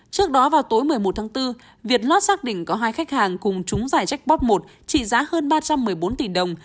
trước đó vào tối một mươi một tháng bốn việt lot xác định có hai khách hàng cùng chúng jackpot một trị giá hơn ba trăm một mươi bốn tỷ đồng